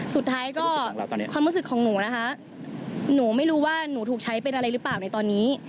สุดท้ายก็ความรู้สึกของหนูนะคะหนูไม่รู้ว่าหนูถูกใช้เป็นอะไรหรือเปล่าในตอนนี้